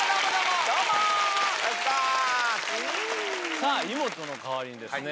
さぁイモトの代わりにですね